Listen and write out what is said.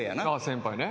先輩ね。